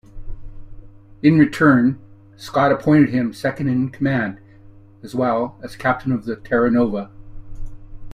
In return, Scott appointed him second-in-command, as well as Captain of the "Terra Nova".